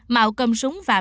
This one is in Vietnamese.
mạo cầm súng và mang chì